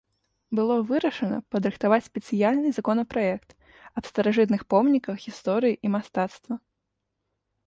Было вырашана падрыхтаваць спецыяльны законапраект аб старажытных помніках гісторыі і мастацтва.